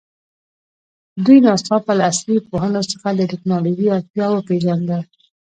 دوی ناڅاپه له عصري پوهنو څخه د تکنالوژي اړتیا وپېژانده.